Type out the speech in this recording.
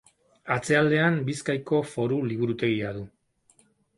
Atzealdean, Bizkaiko Foru Liburutegia du.